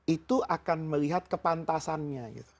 itu akan melihat kepantasannya